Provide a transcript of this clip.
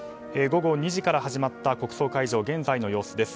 午後２時から始まった国葬会場の現在の様子です。